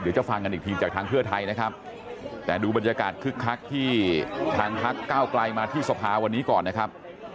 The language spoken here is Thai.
จะฟังกันอีกทีจากทางเพื่อไทยนะครับแต่ดูบรรยากาศคึกคักที่ทางพักเก้าไกลมาที่สภาวันนี้ก่อนนะครับ